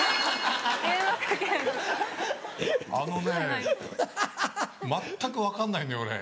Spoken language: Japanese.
あのね全く分かんないのよ俺。